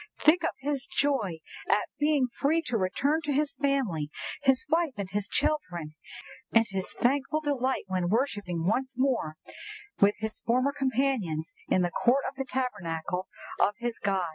"Think of his joy at being free to return to his family—his wife and his children; and his thankful delight when worshipping once more with his former companions in the court of the Tabernacle of his God!"